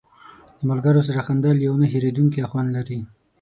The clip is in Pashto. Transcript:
د ملګرو سره وخندل یو نه هېرېدونکی خوند لري.